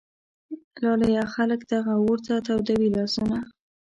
لالیه ! خلک دغه اور ته تودوي لاسونه